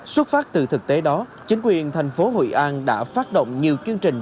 xuất phát từ thực tế đó chính quyền thành phố hội an đã phát động nhiều chương trình